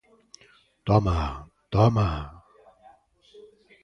¡Toma, toma...!